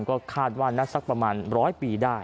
ก็คาดว่าน่าจะสักประมาณ๑๐๐ปีได้